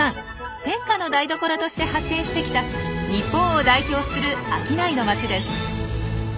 「天下の台所」として発展してきた日本を代表する商いの街です。